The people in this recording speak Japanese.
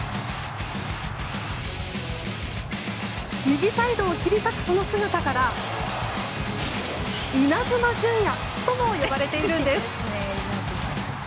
右サイドを切り裂くその姿からイナズマ純也とも呼ばれているんです。